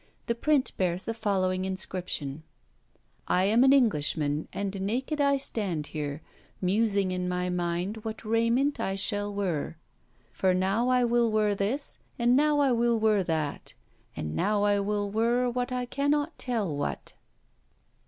The print bears the following inscription: I am an Englishman, and naked I stand here, Musing in my mind, what rayment I shall were; For now I will were this, and now I will were that, And now I will were what I cannot tell what.